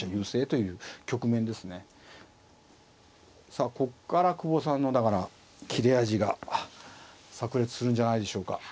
さあこっから久保さんのだから切れ味がさく裂するんじゃないでしょうか。